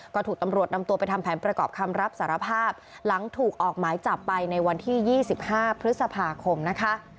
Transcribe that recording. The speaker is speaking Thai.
ก็ถูกตำรวจนำตัวไปทำแผนประกอบคำรับสารภาพหลังถูกออกหมายจับไปในวันที่๒๕พฤษภาคมนะคะ